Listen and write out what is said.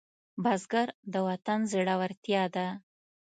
بزګر د وطن زړورتیا ده